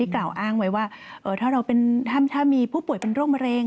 กล่าวอ้างไว้ว่าถ้ามีผู้ป่วยเป็นโรคมะเร็ง